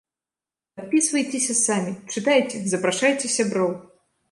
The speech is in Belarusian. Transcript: Падпісвайцеся самі, чытайце, запрашайце сяброў!